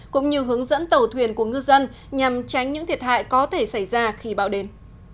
cũng như hướng dẫn tàu thuyền của ngư dân nhằm tránh những thiệt hại có thể xảy ra khi bão đến